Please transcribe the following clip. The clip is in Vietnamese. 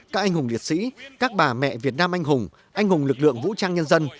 các anh hùng liệt sĩ các bà mẹ việt nam anh hùng anh hùng lực lượng vũ trang nhân dân